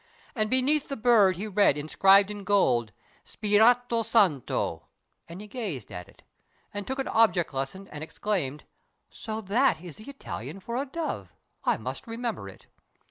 And 'neath the bird he read inscribed in gold: Spirito Santo; and he gazed at it, And took an object lesson, and exclaimed: "So that is the Italian for a dove! I must remember it."